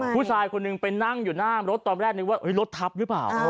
ผู้ชายคนหนึ่งไปนั่งอยู่หน้ารถตอนแรกนึกว่ารถทับหรือเปล่า